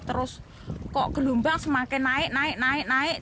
terus kok gelombang semakin naik naik naik naik naik